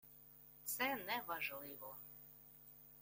Це не важливо